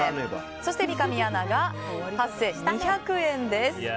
そして三上アナが８２００円です。